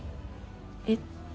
えっ？